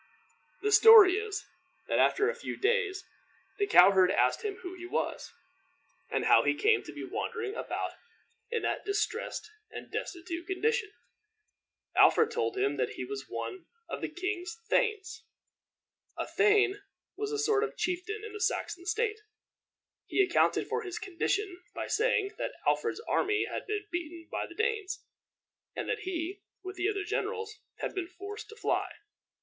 The story is, that after a few days the cow herd asked him who he was, and how he came to be wandering about in that distressed and destitute condition. Alfred told him that he was one of the king's thanes. A thane was a sort of chieftain in the Saxon state. He accounted for his condition by saying that Alfred's army had been beaten by the Danes, and that he, with the other generals, had been forced to fly.